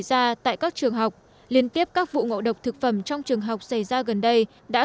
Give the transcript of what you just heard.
ra tại các trường học liên tiếp các vụ ngộ độc thực phẩm trong trường học xảy ra gần đây đã